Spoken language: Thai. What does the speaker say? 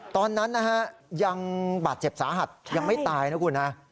ตอนนั้นนะฮะยังบาดเจ็บสาหัสยังไม่ตายนะคุณฮะ